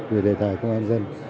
về đề tài công an dân